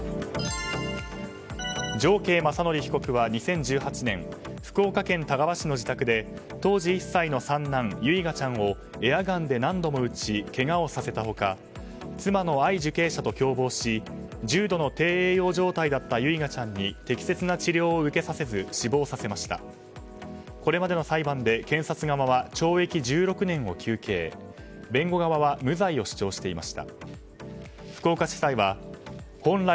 ジョウケイ・マサノリ被告は２０１８年福岡県田川市の自宅で当時１歳の三男唯雅ちゃんをエアガンで何度も撃ちけがをさせたほか妻の藍受刑者と共謀し重度の低栄養状態だった唯雅ちゃんに適切な治療を行わずこれまで検察側は懲役１６年を求刑弁護側は無罪を主張していました。